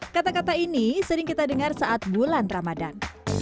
kata kata ini sering kita dengar saat bulan ramadan